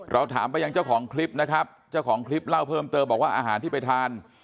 เราถามไปยังเจ้าของคลิปนะครับเจ้าของคลิปเล่าเพิ่มเติมบอกว่าอาหารที่ไปทาน